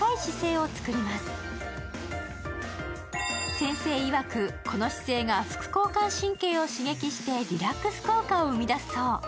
先生いわく、この姿勢が副交感神経を刺激してリラックス効果を生み出すそう。